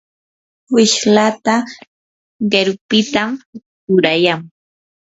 wishlata qirupitam rurayan.